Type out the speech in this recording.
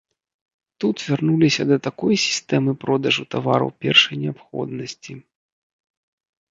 Тут вярнуліся да такой сістэмы продажу тавараў першай неабходнасці.